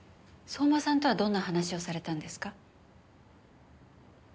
相馬さんとはどんな話をされたんですか？